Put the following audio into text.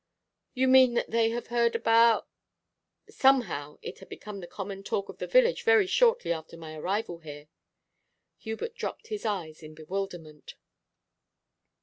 'You mean that they have heard abou ?' 'Somehow it had become the common talk of the village very shortly after my arrival here.' Hubert dropped his eyes in bewilderment.